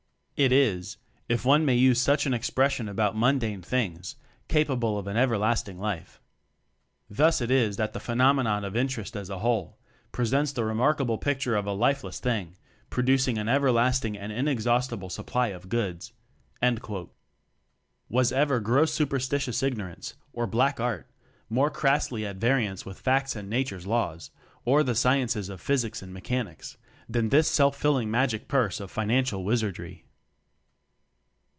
It is, if one may use such an expression about mundane things, capable of an everlasting life. TECHNOCRACY 29 Thus it is that the phenomenon of in terest as a whole presents the remark able picture of a lifeless thing produc ing an everlasting and inexhaustible supply of goods." Was ever gross superstitious ignor ance or "black art" more crassly at variance with facts and Nature's Laws or the Sciences of Physics and Mechanics, than this self filling "magic purse" of financial wizardry?